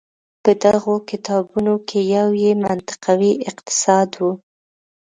په دغو کتابونو کې یو یې منطقوي اقتصاد و.